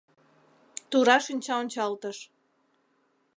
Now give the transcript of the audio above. Тура шинчаончалтыш